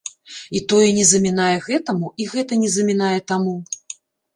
І тое не замінае гэтаму, і гэта не замінае таму.